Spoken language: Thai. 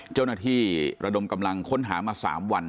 เจ้าหน้าที่ระดมกำลังค้นหามา๓วัน